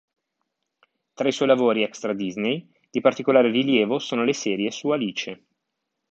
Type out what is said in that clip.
Tra i suoi lavori extra-Disney di particolare rilievo sono le serie su Alice.